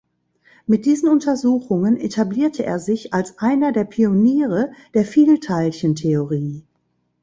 Mit diesen Untersuchungen etablierte er sich als einer der Pioniere der Vielteilchentheorie.